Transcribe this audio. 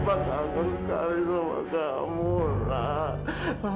aku tak kenapa